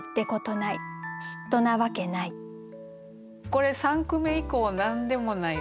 これ３句目以降「何でもない」